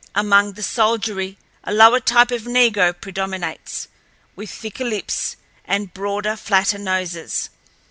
Among the soldiery a lower type of negro predominates, with thicker lips and broader, flatter noses.